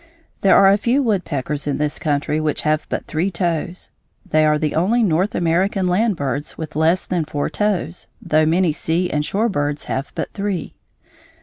There are a few woodpeckers in this country which have but three toes. They are the only North American land birds with less than four toes (though many sea and shore birds have but three).